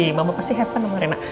pasti mama pasti have fun sama rena